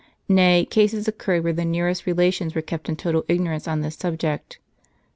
Nay, cases occurred where the nearest rela tions were kept in total ignorance on this subject.